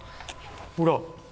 ほら。